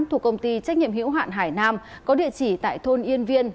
thuộc công ty trách nhiệm hữu hạn hải nam có địa chỉ tại thôn yên viên